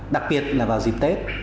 đặc biệt là vào dịp tết